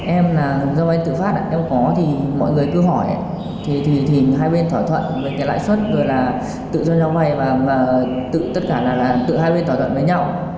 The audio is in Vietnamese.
em là doanh tử phát em có thì mọi người cứ hỏi thì hai bên thỏa thuận về cái lãi suất rồi là tự doanh doanh và tất cả là tự hai bên thỏa thuận với nhau